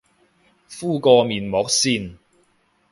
敷個面膜先